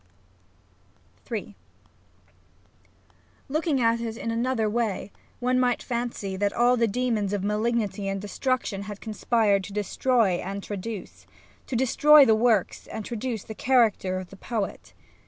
Ill Looking at it in another way one might fancy that all the demons of malignity and destruction had conspired to destroy and traduce : to destroy the works and traduce the character of the poet.